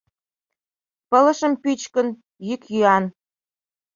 Пылышым пӱчкын, йӱк-йӱан